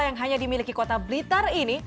yang hanya dimiliki kota blitar ini